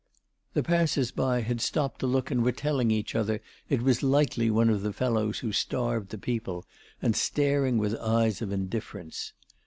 The passers by had stopped to look and were telling each other it was likely one of the fellows who starved the people, and staring with eyes of indifference.